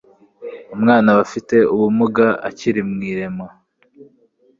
umwana aba afite ubumuga akiri mu iremwa